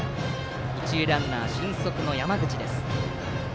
一塁ランナーは俊足の山口。